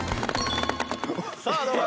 さあどうだ？